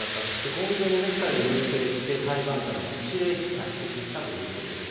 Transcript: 紺色のネクタイで入廷して、裁判官に一礼し、着席したということです。